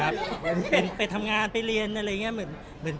ก็สัมภาษณ์ก็แล้วชุดนึง